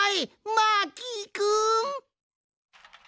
マーキーくん！